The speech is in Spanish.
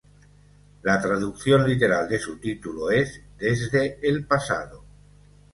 La traducción literal de su título es "Desde el pasado".